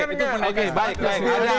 itu pengembangan cash building itu